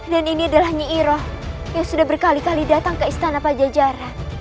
dan ini adalah nyi iroh yang sudah berkali kali datang ke istana pajajara